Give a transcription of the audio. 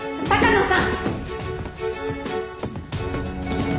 鷹野さん